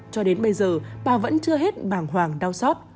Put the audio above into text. cho đến bây giờ bà vẫn chưa hết bàng hoàng đau xót